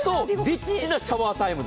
リッちなシャワータイム。